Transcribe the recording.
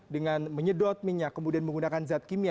dengan menyedot minyak kemudian menggunakan zat kimia